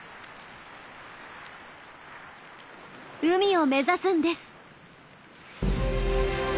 海を目指すんです。